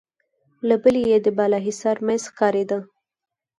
له بلې يې د بالاحصار مينځ ښکارېده.